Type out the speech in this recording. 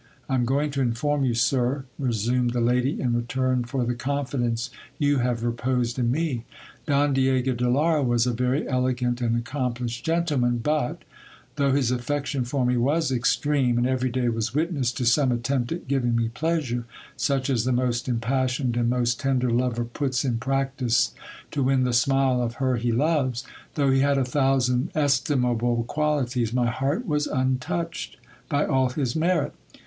I am going to inform you, sir, resumed the lady, in return for the confidence you have reposed in me. Don Diego de Lara was a very elegant and accomplished gentleman : but, HISTORY OF DON ALPHONSO AND SERAPH IN A. 163 though his affection for me was extreme, and every day was witness to some attempt at giving me pleasure, such as the most impassioned and most tender lover puts in practice to win the smile of her he loves ; though he had a thou sand estimable qualities, my heart was untouched by all his merit.